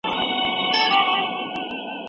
د وطن په هدیرو کې وي دروېشه!